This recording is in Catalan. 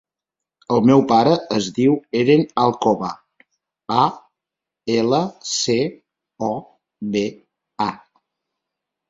El meu pare es diu Eren Alcoba: a, ela, ce, o, be, a.